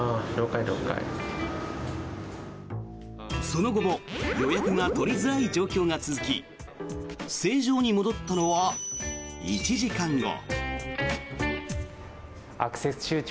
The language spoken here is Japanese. その後も予約が取りづらい状況が続き正常に戻ったのは１時間後。